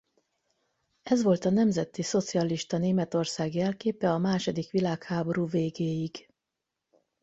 Ez volt a nemzetiszocialista Németország jelképe a második világháború végéig.